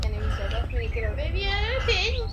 baada ya kukanga unga wa viazi lishe madonge manne ya unga